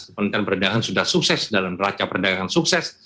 kementerian perdagangan sudah sukses dalam raca perdagangan sukses